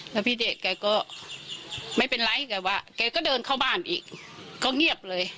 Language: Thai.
แล้วพี่เดชแกก็ไม่เป็นไรแต่ว่าแกก็เดินเข้าบ้านอีกก็เงียบเลย